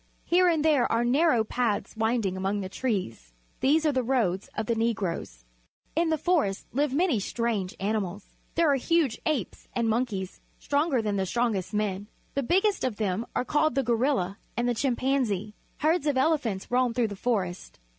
Here and there are narrow paths winding among the trees. These are the roads of the Negroes. In the forests live many strange animals. There are huge apes and monkeys, stronger than the strongest men. The biggest of them are called the gorilla and the chim panzee. Herds of ele phants roam through the forest.